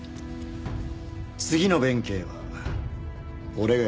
次の弁慶は俺がやる。